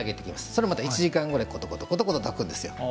それをまた１時間ぐらいことことたくんですよ。